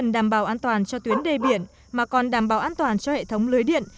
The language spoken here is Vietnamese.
đảm bảo an toàn cho tuyến đê biển mà còn đảm bảo an toàn cho hệ thống lưới điện